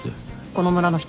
この村の人？